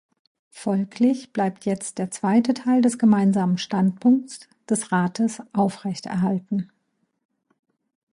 Folglich bleibt jetzt der zweite Teil des Gemeinsamen Standpunkts des Rates aufrechterhalten.